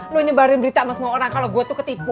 lu nyebarin berita sama semua orang kalo gua tuh ketipu